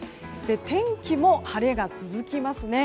天気も晴れが続きますね。